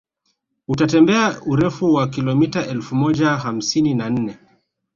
Utatembea urefu wa kilomita elfu moja hamsini na nne